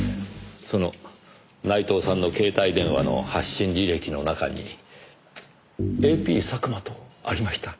その内藤さんの携帯電話の発信履歴の中にＡＰ佐久間とありました。